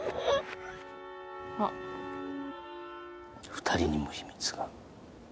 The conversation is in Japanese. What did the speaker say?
２人にも秘密が。